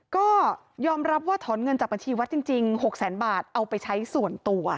ก็ยอมรับว่าถอนเงินจากบัญชีวัดจริง๖แสนบาทเอาไปใช้ส่วนตัว